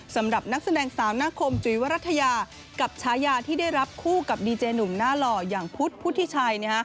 สำหรับนักแสดงสาวหน้าคมจุ๋ยวรัฐยากับฉายาที่ได้รับคู่กับดีเจหนุ่มหน้าหล่ออย่างพุทธพุทธิชัย